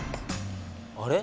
あれ？